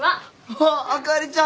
わっあかりちゃん。